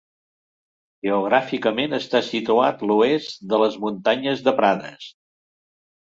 Geogràficament està situat l'Oest de les Muntanyes de Prades.